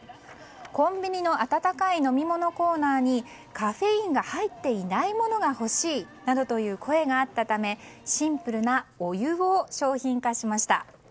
コンビニの温かい飲み物コーナーにカフェインが入っていないものが欲しいなどという声があったためシンプルなお湯を商品化しました。